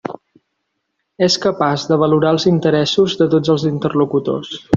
És capaç de valorar els interessos de tots els interlocutors.